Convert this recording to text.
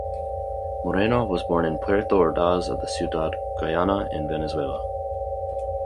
Moreno was born in Puerto Ordaz of the Ciudad Guayana in Venezuela.